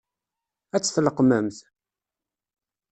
Ad t-tleqqmemt?